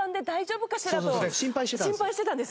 心配してたんです。